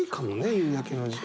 夕焼けの時間に。